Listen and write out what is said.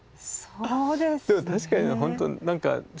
そうですね。